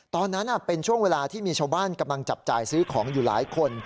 ตอนนั้นเป็นช่วงเวลาที่มีชาวบ้านกำลังจับจ่ายซื้อของอยู่หลายคน